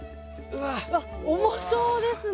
わっ重そうですね！